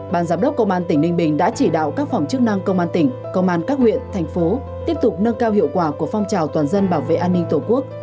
ban giám đốc công an tỉnh ninh bình đã chỉ đạo các phòng chức năng công an tỉnh công an các huyện thành phố tiếp tục nâng cao hiệu quả của phong trào toàn dân bảo vệ an ninh tổ quốc